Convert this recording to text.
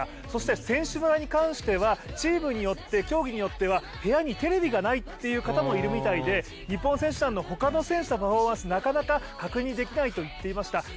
そして選手村に関してはチームによって競技によっては部屋にテレビがないという方もいるみたいで、日本選手団の他の選手のパフォーマンス、なかなか確認できないと言っていました。